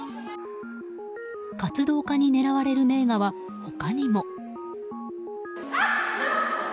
活動家に狙われる名画は他にも。